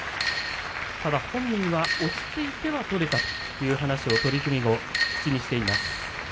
ただ本人は落ち着いては取れたという話を取組後口にしています。